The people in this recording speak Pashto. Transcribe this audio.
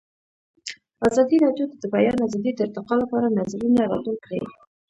ازادي راډیو د د بیان آزادي د ارتقا لپاره نظرونه راټول کړي.